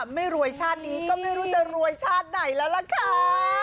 ไม่รวยชาตินี้ก็ไม่รู้จะรวยชาติไหนแล้วล่ะค่ะ